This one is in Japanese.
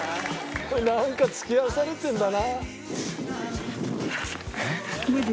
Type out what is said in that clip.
これなんか付き合わされてるんだな。